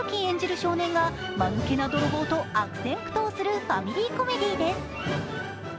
少年が間抜けな泥棒と悪戦苦闘するファミリーコメディーです。